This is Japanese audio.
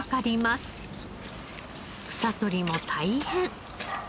草取りも大変。